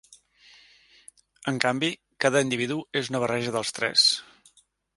En canvi, cada individu és una barreja dels tres.